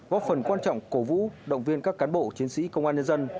góp phần quan trọng cổ vũ động viên các cán bộ chiến sĩ công an nhân dân